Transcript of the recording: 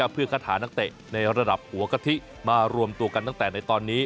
เพื่อคัดหานักเตะในระดับหัวกะทิมารวมตัวกันตั้งแต่ในตอนนี้